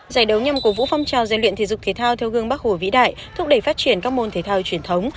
giải đấu nhằm cổ vũ phong trào rèn luyện thể dục thể thao theo gương bắc hồ vĩ đại thúc đẩy phát triển các môn thể thao truyền thống